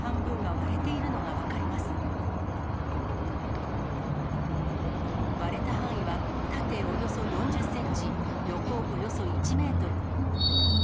割れた範囲は、縦およそ４０センチ、横およそ１メートル。